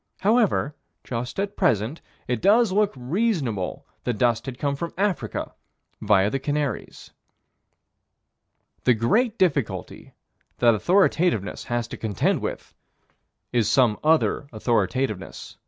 However, just at present, it does look reasonable that dust had come from Africa, via the Canaries. The great difficulty that authoritativeness has to contend with is some other authoritativeness.